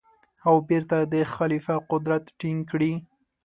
او بېرته د خلیفه قدرت ټینګ کړي.